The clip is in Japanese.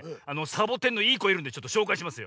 サボテンのいいこいるんでちょっとしょうかいしますよ。